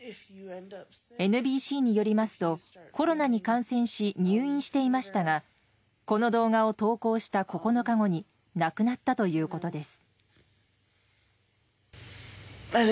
ＮＢＣによりますとコロナに感染し入院していましたがこの動画を投稿した９日後に亡くなったということです。